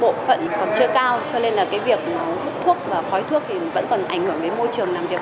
bộ phận còn chưa cao cho nên là cái việc hút thuốc và khói thuốc thì vẫn còn ảnh hưởng đến môi trường làm việc